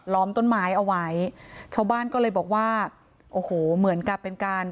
ล้อมต้นไม้เอาไว้ชาวบ้านก็เลยบอกว่าโอ้โหเหมือนกับเป็นการ